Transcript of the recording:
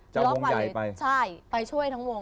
จะลงไหวไปช่วยทั้งวง